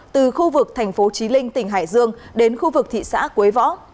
từ khu vực thành phố trí linh tỉnh hải dương đến khu vực thị xã quế võ